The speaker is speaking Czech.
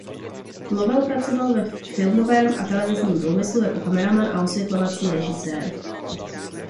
Lowell pracoval ve filmovém a televizním průmyslu jako kameraman a osvětlovací režisér.